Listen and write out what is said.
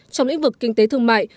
trong lĩnh vực kinh tế thương mại